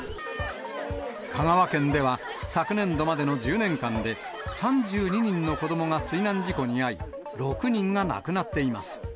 香川県では、昨年度までの１０年間で、３２人の子どもが水難事故に遭い、６人が亡くなっています。